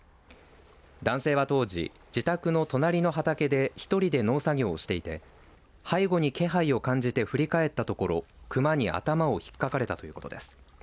男性は当時、自宅の隣の畑で１人で農作業をしていて背後に気配を感じて振り返ったところクマに頭をひっかかれたということです。